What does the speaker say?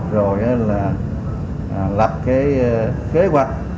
rồi là lập kế hoạch